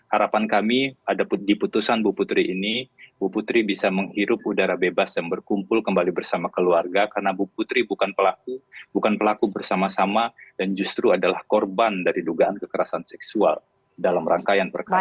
harapan kami ada di putusan bu putri ini bu putri bisa menghirup udara bebas yang berkumpul kembali bersama keluarga karena bu putri bukan pelaku bukan pelaku bersama sama dan justru adalah korban dari dugaan kekerasan seksual dalam rangkaian perkara ini